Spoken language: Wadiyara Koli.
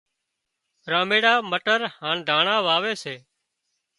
راميڙا مٽر هانَ داڻا واوي سي